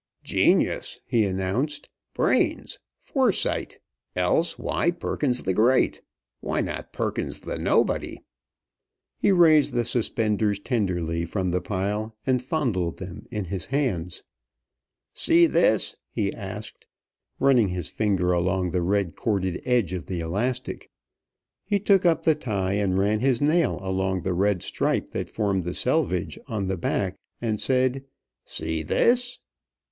"Genius!" he announced. "Brains! Foresight! Else why Perkins the Great? Why not Perkins the Nobody?" He raised the suspenders tenderly from the pile, and fondled them in his hands. "See this?" he asked, running his finger along the red corded edge of the elastic. He took up the tie, and ran his nail along the red stripe that formed the selvedge on the back, and said, "See this?"